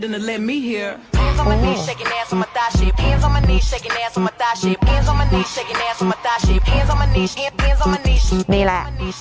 นี่แหละ